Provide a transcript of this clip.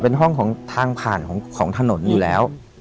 เป็นห้องของทางผ่านของถนนอยู่แล้ว